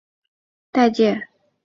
物种广泛分布于新热带界。